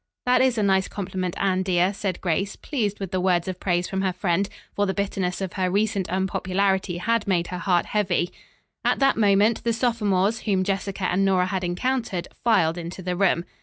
"That is a nice compliment, Anne, dear," said Grace pleased with the words of praise from her friend, for the bitterness of her recent unpopularity had made her heart heavy. At that moment the sophomores whom Jessica and Nora had encountered filed into the room.